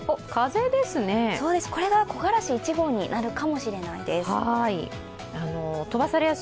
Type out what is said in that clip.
これが木枯らし１号になるかもしれないです。